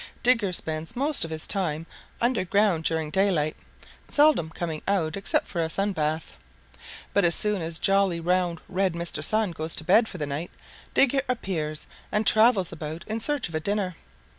"Digger spends most of his time under ground during daylight, seldom coming out except for a sun bath. But as soon as jolly, round, red Mr. Sun goes to bed for the night, Digger appears and travels about in search of a dinner.